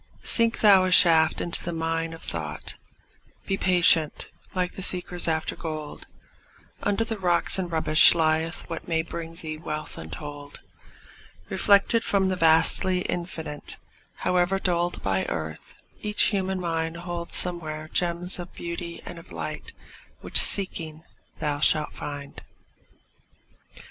Sink thou a shaft into the mine of thought; Be patient, like the seekers after gold; Under the rocks and rubbish lieth what May bring thee wealth untold. Reflected from the vastly Infinite, However dulled by earth, each human mind Holds somewhere gems of beauty and of light Which, seeking, thou shalt find.